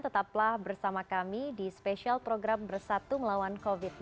tetaplah bersama kami di spesial program bersatu melawan covid sembilan belas